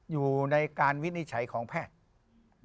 อยู่ในการวินิจฉัยของแพทย์